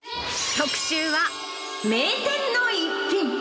特集は名店の一品。